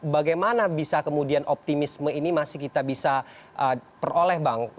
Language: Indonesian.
bagaimana bisa kemudian optimisme ini masih kita bisa peroleh bang